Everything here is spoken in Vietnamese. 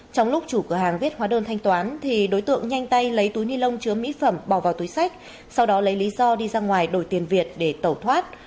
trong lúc chủ cửa hàng viết hóa đơn thanh toán thì đối tượng nhanh tay lấy túi ni lông chứa mỹ phẩm bỏ vào túi sách sau đó lấy lý do đi ra ngoài đổi tiền việt để tẩu thoát